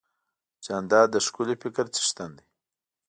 جانداد د ښکلي فکر څښتن دی.